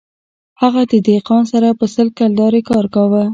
هغه د دهقان سره په سل کلدارې کار کاوه